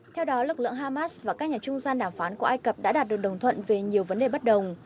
theo đó lực lượng hamas và các nhà trung gian đàm phán của ai cập đã đạt được đồng thuận về nhiều vấn đề bất đồng